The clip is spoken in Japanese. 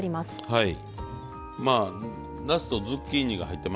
はい。